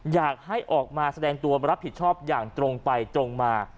อยากให้ออกมาแสดงตัวรับผิดชอบอย่างตรงไปตรงมา